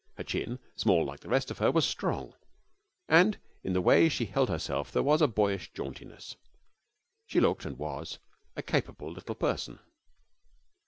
Her chin, small like the rest of her, was strong; and in the way she held herself there was a boyish jauntiness. She looked and was a capable little person.